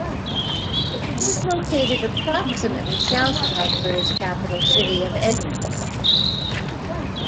It is located approximately south of Alberta's capital city of Edmonton.